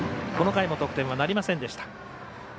この回も得点はなりませんでした。